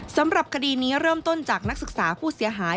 สำหรับคดีนี้เริ่มต้นจากนักศึกษาผู้เสียหาย